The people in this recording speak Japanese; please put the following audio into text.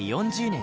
４０年